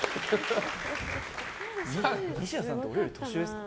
ニシダさんって俺より年上ですか？